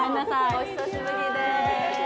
お久しぶりです。